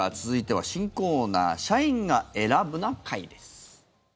続いては、新コーナー「社員が選ぶな会」です。